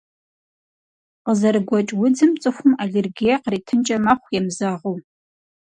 Къызэрыгуэкӏ удзым цӏыхум аллергие къритынкӏэ мэхъу, емызэгъыу.